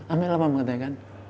ambil lah bapak